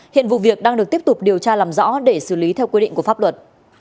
hiện vụ việc đang được tiếp tục điều tra làm rõ để xử lý theo quy định của pháp luật